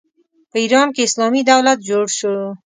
په ایران کې اسلامي دولت جوړ شو.